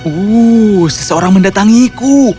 uh seseorang mendatangiku